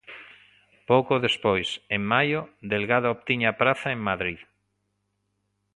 Pouco despois, en maio, Delgado obtiña praza en Madrid.